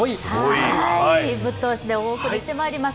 ぶっ通しでお送りしてまいります。